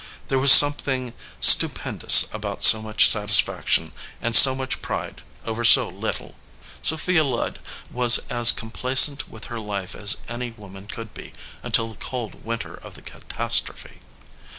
There was something stupendous about so much satisfaction and so much pride over so little. Sophia Ludd was as complacent with her life as at:y woman could be, until the cold winter of the catastrophe.